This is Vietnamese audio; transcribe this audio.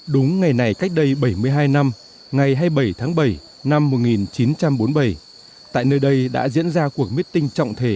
đúng ngày này cách đây bảy mươi hai năm ngày hai mươi bảy tháng bảy năm một nghìn chín trăm bốn mươi bảy tại nơi đây đã diễn ra cuộc meeting trọng thể